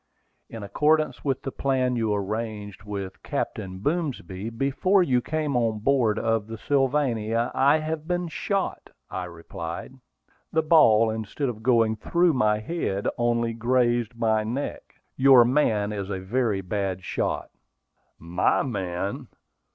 "In accordance with the plan you arranged with Captain Boomsby before you came on board of the Sylvania, I have been shot," I replied. "The ball, instead of going through my head, only grazed my neck. Your man is a very bad shot." "My man!